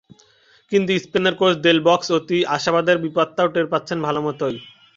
কিন্তু স্পেনের coach Del Bosque অতি আশাবাদের বিপদটাও টের পাচ্ছেন ভালোমতোই।